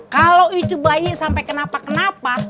kalau itu bayi sampai kenapa kenapa